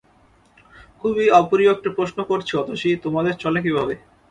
খুব অপ্রিয় একটা প্রশ্ন করছি অতসী, তোমাদের চলে কীভাবে?